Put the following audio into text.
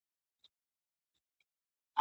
څنګه کولای سو د کشمکش پر ځای همږغي رامنځته کړو؟